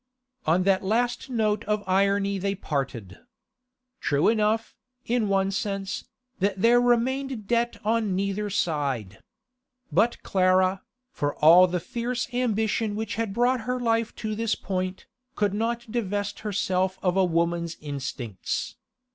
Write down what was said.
On that last note of irony they parted. True enough, in one sense, that there remained debt on neither side. But Clara, for all the fierce ambition which had brought her life to this point, could not divest herself of a woman's instincts.